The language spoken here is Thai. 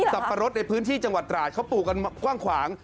ปะรดในพื้นที่จังหวัดตราดเขาปลูกกันกว้างขวาง